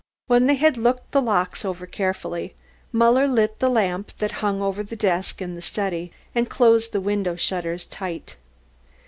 When they had looked the locks over carefully, Muller lit the lamp that hung over the desk in the study and closed the window shutters tight.